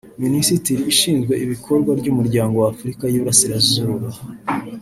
Minisiteri ishinzwe ibikorwa by’Umuryango wa Afurika y’Iburasirazuba